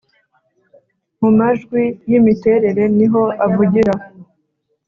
mumajwi yimiterere niho avugira